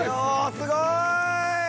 すごーい！